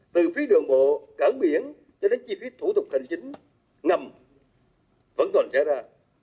từ phía đường bộ cảng biển cho đến chi phí thủ tục thành chính ngầm vẫn còn sẽ ra